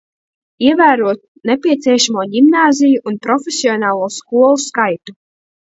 Ievērot nepieciešamo ģimnāziju un profesionālo skolu skaitu.